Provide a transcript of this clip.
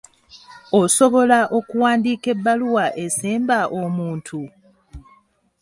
Osobola okuwandiika ebbaluwa esemba omuntu?